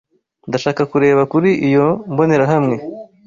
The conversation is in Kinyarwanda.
Ndashaka kureba kuri iyo mbonerahamwe.